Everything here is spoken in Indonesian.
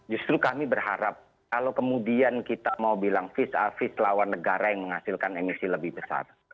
justru kami berharap kalau kemudian kita mau bilang vis a vis lawan negara yang menghasilkan emisi lebih besar